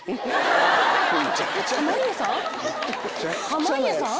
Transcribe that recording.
濱家さん？